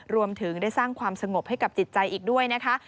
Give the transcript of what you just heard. รวมถึงได้สร้างความสงบให้กับจิตใจอีกด้วยนะคะ